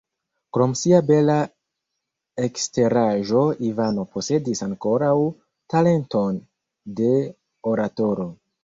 Krom sia bela eksteraĵo Ivano posedis ankoraŭ talenton de oratoro.